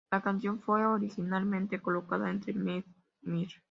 La canción fue originalmente colocada entre "Mean Mr.